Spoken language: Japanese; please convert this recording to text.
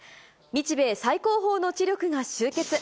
日米最高峰の知力が集結。